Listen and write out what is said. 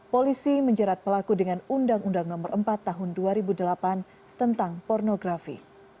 polisi menjerat pelaku dengan undang undang nomor empat tahun dua ribu delapan tentang pornografi